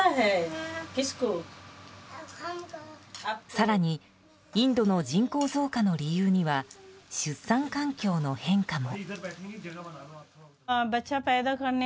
更にインドの人口増加の理由には出産環境の変化も。